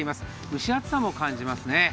蒸し暑さも感じますね。